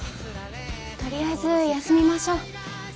とりあえず休みましょう。